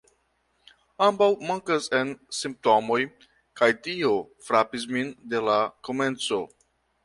Ambaŭ mankas en Simptomoj, kaj tio frapis min de la komenco.